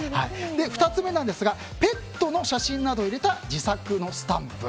２つ目なんですがペットの写真などを入れた自作のスタンプ。